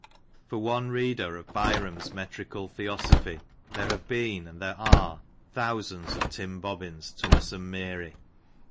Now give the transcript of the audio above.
For one reader of Byrom's metrical theosophy, there have been, and there are, thousands of Tim Bobbin's "Tummus and Meary."